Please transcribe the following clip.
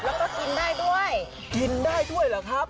แล้วก็กินได้ด้วยกินได้ด้วยเหรอครับ